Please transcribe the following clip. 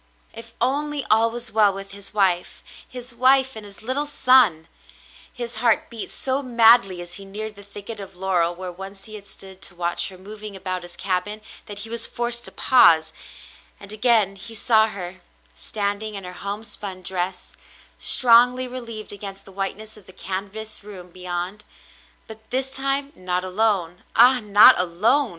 If only gjl was well with his wife — his wife and his little son ! His heart beat so madly as he neared the thicket of laurel where once he had stood to w^atch her moving about his cabin, that he was forced to pause; and again he saw her, standing in her homespun dress, strongly relieved against the whiteness of the canvas room beyond — but this time not alone — Ah, not alone